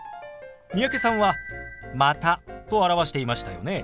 三宅さんは「また」と表していましたよね。